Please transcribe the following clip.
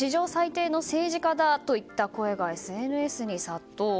史上最低の政治家だといった声がＳＮＳに殺到。